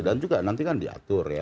dan juga nanti kan diatur ya